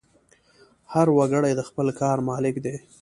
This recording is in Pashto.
هر وګړی د خپل کار مالک دی.